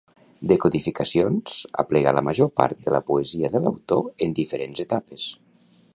“Descodificacions” aplega la major part de la poesia de l'autor en diferents etapes.